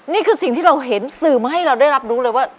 นี่คือสิ่งที่เราเห็นสื่อมาให้เราได้รับรู้เลยว่า